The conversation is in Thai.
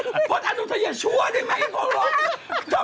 พลังอาณุนตะเยียมชั่วด้วยไหมน้องรบ